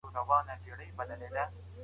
له خپل تېر تاریخ څخه ځان خبر کړئ.